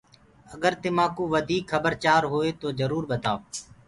اگر تمآنٚ ڪوُ وڌيٚڪ کبر چآر هوئي تو جرور ٻتآيو